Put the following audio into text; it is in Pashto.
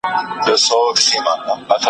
هى افسوس چي پر تا تېر سول زر كلونه